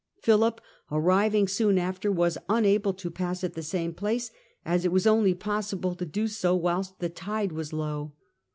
Philip arriving soon after was unable to pass at the same place as it was only possible to do so whilst the tide was low.